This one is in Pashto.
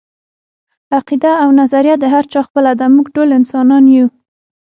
عقیده او نظريه د هر چا خپله ده، موږ ټول انسانان يو